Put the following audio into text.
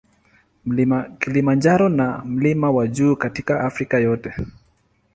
Kilimanjaro na mlima wa juu katika Afrika yote.